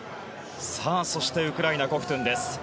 そしてウクライナのコフトゥンです。